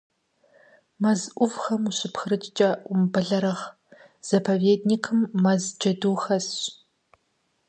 Мэз Ӏувхэм ущыпхыкӀкӀэ умыбэлэрыгъ, заповедникым мэз джэду хэсщ.